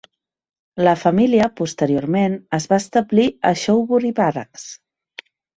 La família posteriorment es va establir a Shoebury Barracks.